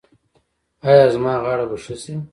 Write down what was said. ایا زما غاړه به ښه شي؟